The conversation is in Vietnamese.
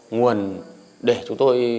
nguồn để chúng tôi